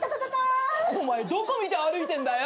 お前どこ見て歩いてんだよ。